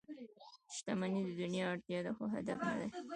• شتمني د دنیا اړتیا ده، خو هدف نه دی.